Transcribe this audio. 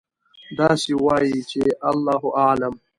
داسې وایئ چې: الله أعلم.